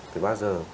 thì bao giờ